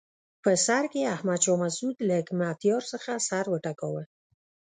په سر کې احمد شاه مسعود له حکمتیار څخه سر وټکاوه.